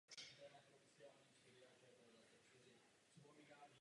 Někdy mají stejný význam jako předložky nebo je jejich význam velmi blízký.